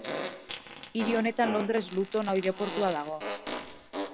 Hiri honetan Londres-Luton aireportua dago.